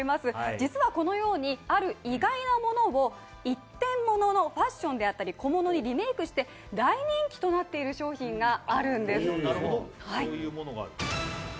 実はこのようにある意外なものを一点もののファッションだったり小物にリメークして大人気となっている商品があるんです。